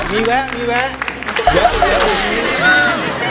มีไว้มีไว้